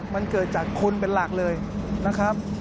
มันเกิดจากคุณเป็นหลักเลยนะครับ